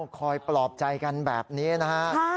ปลอบใจกันแบบนี้นะฮะ